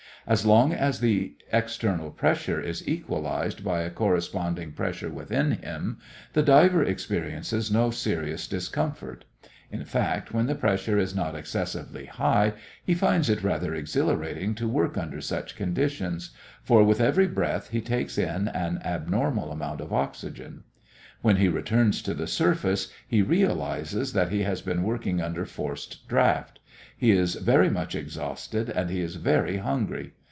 As long as the external pressure is equalized by a corresponding pressure within him, the diver experiences no serious discomfort. In fact, when the pressure is not excessively high he finds it rather exhilarating to work under such conditions; for, with every breath, he takes in an abnormal amount of oxygen. When he returns to the surface he realizes that he has been working under forced draft. He is very much exhausted and he is very hungry.